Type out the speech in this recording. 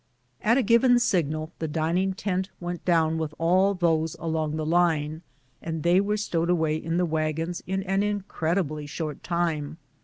At a given signal the dining tent went down with all those along the line, and they were stowed away in the wagons in an incredibly short time.